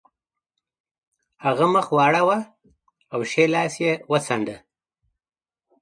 هغه مخ واړاوه او ښی لاس یې وڅانډه